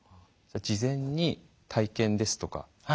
事前に体験ですとか。